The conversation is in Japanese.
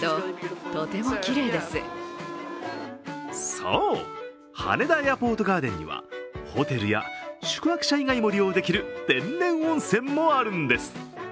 そう、羽田エアポートガーデンには、ホテルや宿泊者以外も利用できる天然温泉もあるんです。